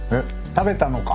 食べたのか？